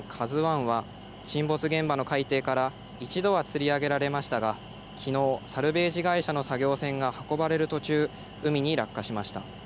ＫＡＺＵＩは沈没現場の海底から一度はつり上げられましたがきのうサルベージ会社の作業船が運ばれる途中海に落下しました。